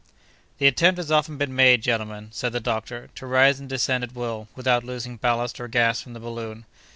"The attempt has often been made, gentlemen," said the doctor, "to rise and descend at will, without losing ballast or gas from the balloon.